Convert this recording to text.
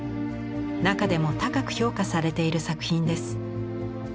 中でも高く評価されている作品です。